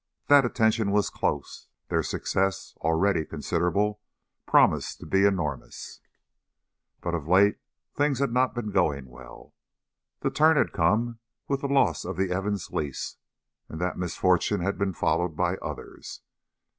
That attention was close; their success, already considerable, promised to be enormous. But of late things had not been going well. The turn had come with the loss of the Evans lease, and that misfortune had been followed by others.